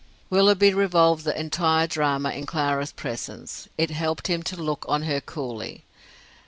Willoughby revolved the entire drama in Clara's presence. It helped him to look on her coolly.